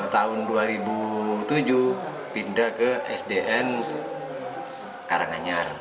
tahun dua ribu tujuh pindah ke sdn karanganyar